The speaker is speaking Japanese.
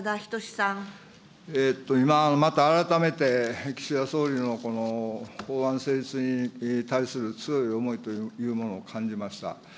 今、また改めて岸田総理の法案成立に対する強い思いというものを感じました。